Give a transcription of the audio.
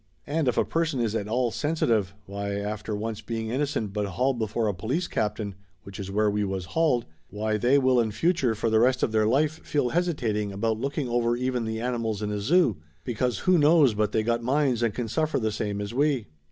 And if a person is at all sensitive, why after once being innocent but hauled before a police captain which is where we was hauled, why they will in future for the rest of their life feel hesitating about looking over even the animals in a zoo, because who knows but they got minds and can suffer the same as we